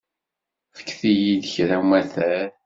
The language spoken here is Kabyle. Fket-iyi-d kra umatar.